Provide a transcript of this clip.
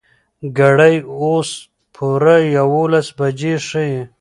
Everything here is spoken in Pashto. ګړۍ اوس پوره يولس بجې ښيي.